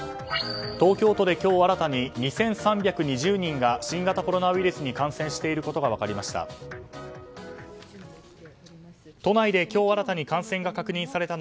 東京都で今日新たに２３２０人が新型コロナウイルスに感染していることが分かりました。